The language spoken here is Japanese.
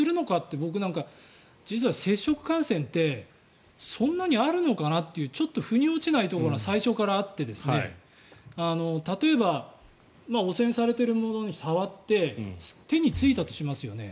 僕なんかは実は接触感染ってそんなにあるのかなというちょっと腑に落ちないところが最初からあって例えば汚染されている物に触って手についたとしますよね。